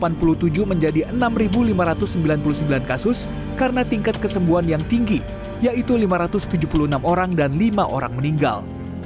dari delapan puluh tujuh menjadi enam lima ratus sembilan puluh sembilan kasus karena tingkat kesembuhan yang tinggi yaitu lima ratus tujuh puluh enam orang dan lima orang meninggal